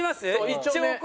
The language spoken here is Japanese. １兆個。